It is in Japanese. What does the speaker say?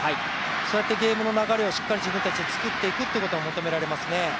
そうやってゲームの流れを自分たちでしっかり作っていくということは求められますね。